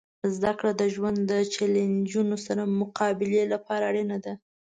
زدهکړه د ژوند د چیلنجونو سره مقابلې لپاره اړینه ده.